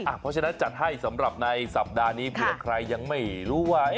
เพราะฉะนั้นจัดให้สำหรับในสัปดาห์นี้เผื่อใครยังไม่รู้ไว้